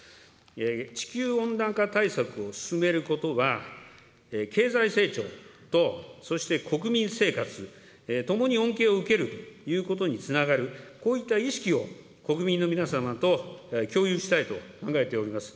地球温暖化対策を進めることは、経済成長とそして国民生活、ともに恩恵を受けるということにつながる、こういった意識を国民の皆様と共有したいと考えております。